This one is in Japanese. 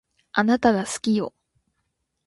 あなたが好きよ